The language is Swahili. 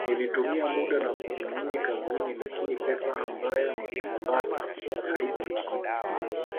Nilitumia muda na nguvu nyingi kazini lakini pesa ambayo niliipata haikukidhi